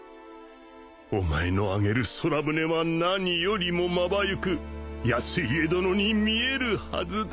お前の上げる空船は何よりもまばゆく康イエ殿に見えるはずだ